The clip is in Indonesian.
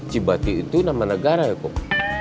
cibati itu nama negara ya kok